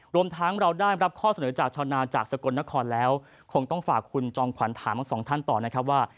รวมทั้งเราได้รับข้อเสนอจากชาวนาจากสกลนครแล้วคงต้องฝากคุณจอมขวัญถามทั้งสองท่านต่อนะครับว่า